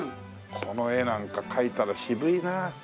この絵なんか描いたら渋いな。